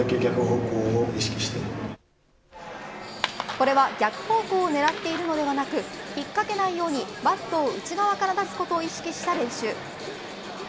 これは逆方向を狙っているのではなく引っかけないようにバットを内側から出すことを意識した練習。